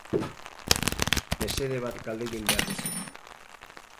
Mesede bat galdegin behar dizut.